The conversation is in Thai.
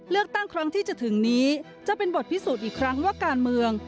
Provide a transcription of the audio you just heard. เลือกตั้งครั้งที่จะถึงนี้จะเป็นบทพิสูจน์อีกครั้งว่าการเมือง